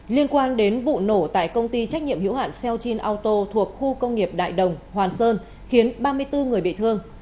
liên quan đến vụ nổ tại công ty trách nhiệm hiểu hạn seochin auto thuộc khu công nghiệp đại đồng hoàn sơn khiến ba mươi bốn người bị thương